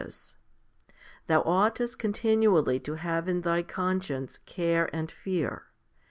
Thou oughtest con tinually to have in thy conscience care and fear.